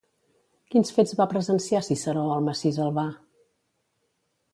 Quins fets va presenciar Ciceró al massís Albà?